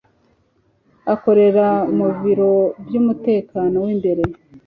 akorera mubiro by'umutekano wimbere